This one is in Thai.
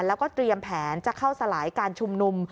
แล้วก็เตรียมแผนจะเข้าสลายการชุมนุม